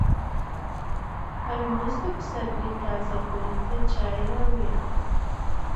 ترموز د پسرلي تازه ګل ته چای راوړي.